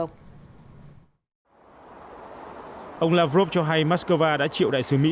ông lavrov cho hay moscow đã chịu đại sứ mỹ